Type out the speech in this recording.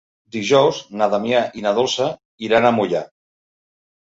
Dijous na Damià i na Dolça iran a Moià.